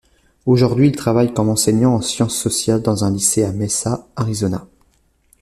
Aujourd'hui, il travaille comme enseignant en sciences sociales dans un lycée à Mesa, Arizona.